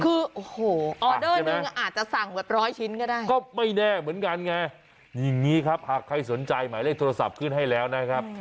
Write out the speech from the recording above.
คือโอ้โหออเดอร์นึงอาจจะสั่งแบบร้อยชิ้นก็ได้ก็ไม่แน่เหมือนกันไงอย่างนี้ครับหากใครสนใจหมายเลขโทรศัพท์ขึ้นให้แล้วนะครับ